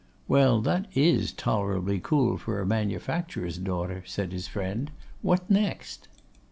'Well, that is tolerably cool for a manufacturer's daughter,' said his friend. 'What next?